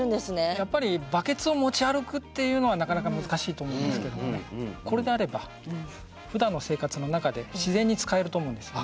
やっぱりバケツを持ち歩くっていうのはなかなか難しいと思うんですけどもこれであればふだんの生活の中で自然に使えると思うんですよね。